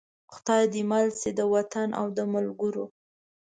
خدای دې مل شي د وطن او د ملګرو.